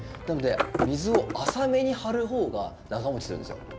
なので水を浅めに張る方が長もちするんですよ。